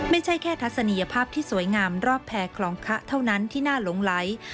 ไม่ใช่แค่ทัศนียภาพที่สวยงามรอบแพรคลองคะเท่านั้นที่น่าหลงไหล